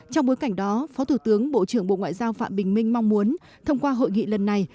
trong bối cảnh đó phó thủ tướng bộ trưởng bộ ngoại giao phạm bình minh mong muốn thông qua hội nghị lần này